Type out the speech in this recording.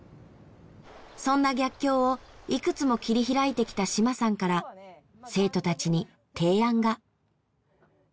そんな逆境をいくつも切り開いてきた島さんから生徒たちに提案が。